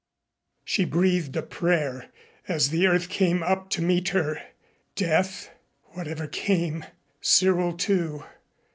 She breathed a prayer as the earth came up to meet her. Death ? Whatever came Cyril, too....